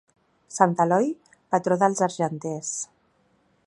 Sant Eloi, patró dels argenters.